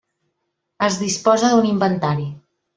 Es disposa d'un inventari.